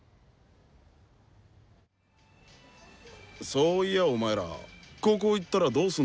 そういやお前ら高校行ったらどうすんの？